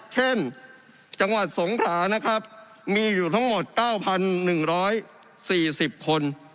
เช่นจังหวัดสงขรานะครับมีอยู่ทั้งหมด๙๑๔๐คน